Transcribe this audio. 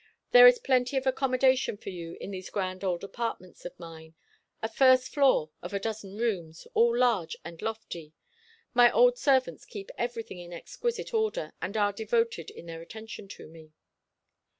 There is plenty of accommodation for you in these grand old apartments of mine a first floor of a dozen rooms, all large and lofty. My old servants keep everything in exquisite order, and are devoted in their attention to me.